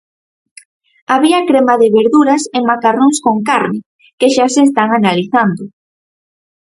Había crema de verduras e macarróns con carne, que xa se están analizando.